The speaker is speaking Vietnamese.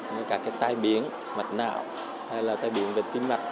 như các cái tai biến mật não hay là tai biến về tim mật